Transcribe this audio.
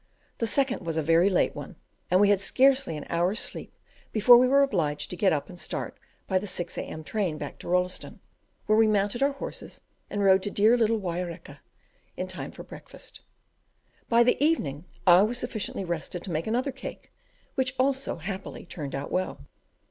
The second was a very late one, and we had scarcely an hour's sleep before we were obliged to get up and start by the 6 A.M. train back to Rolleston, where we remounted our horses and rode to dear little Waireka in time for breakfast. By the evening I was sufficiently rested to make another cake, which also, happily, turned out well.